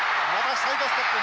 サイドステップ。